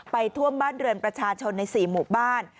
ท่วมบ้านเรือนประชาชนใน๔หมู่บ้าน